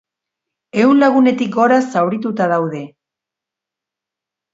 Ehun lagunetik gora zaurituta daude.